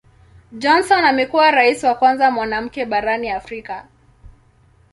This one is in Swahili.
Johnson amekuwa Rais wa kwanza mwanamke barani Afrika.